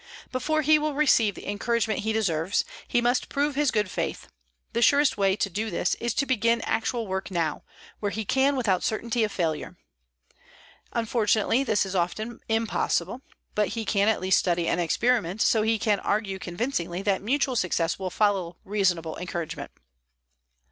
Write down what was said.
Before he will receive the encouragement he deserves, he must prove his good faith. The surest way to do this is to begin actual work now, where he can without certainty of failure. Unfortunately, this is often impossible, but he can at least study and experiment so he can argue convincingly that mutual success will follow reasonable encouragement.